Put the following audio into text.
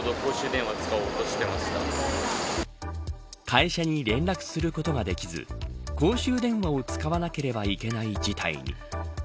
会社に連絡することができず公衆電話を使わなければいけない事態に。